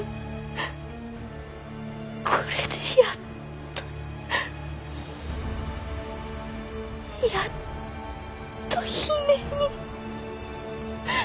これでやっとやっと姫に。